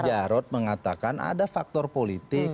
pak jarod mengatakan ada faktor politik